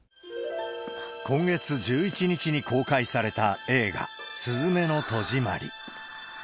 今月１１日に公開された映画、すずめの戸締まり。